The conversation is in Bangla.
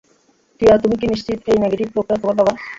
টিয়া, তুমি কি নিশ্চিত এই নেগেটিভ লোকটা তোমার বাবা।